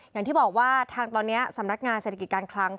อย่างที่บอกว่าทางตอนนี้สำนักงานเศรษฐกิจการคลัง